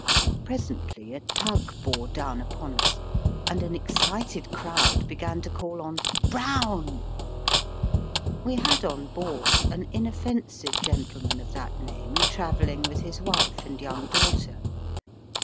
Presently a tug bore down upon us, and an excited crowd began to call on " Brown !" We had on board an inoffensive gentleman of that name travelling with his wife and young daughter.